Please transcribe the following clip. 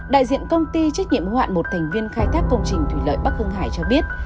đại diện công ty trách nhiệm hữu hạn một thành viên khai thác công trình thủy lợi bắc hưng hải cho biết